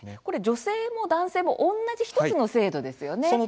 これ、女性も男性も同じ１つの制度ですよね。